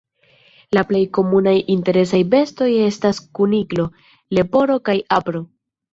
La plej komunaj interesaj bestoj estas kuniklo, leporo kaj apro.